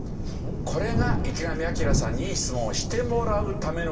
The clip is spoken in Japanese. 「これが池上彰さんにいい質問をしてもらうためのコツです」